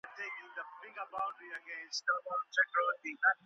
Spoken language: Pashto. غوره فرصتونه یوازي مستحقو ته نه سي منسوبېدلای.